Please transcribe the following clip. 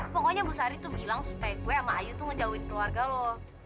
pokoknya bu sari tuh bilang supaya gue sama ayu tuh ngejauhin keluarga loh